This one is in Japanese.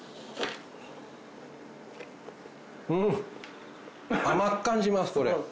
うん！甘く感じますこれ。